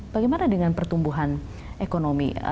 bagaimana dengan pertumbuhan ekonomi